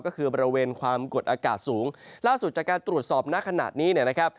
ก็คือบริเวณความกดอากาศสูงล่าสุดจากการตรวจสอบณขณะนี้เนี่ยนะครับ